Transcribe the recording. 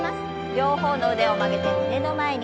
両方の腕を曲げて胸の前に。